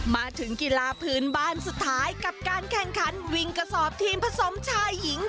มาถึงกีฬาพื้นบ้านสุดท้ายกับการแข่งขันวิ่งกระสอบทีมผสมชายหญิง